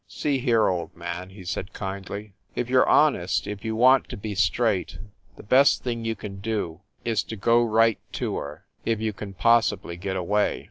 "See here, old man," he said kindly. "If you re honest, if you want to be straight, the best thing you can do is to go right to her if you can possibly get away.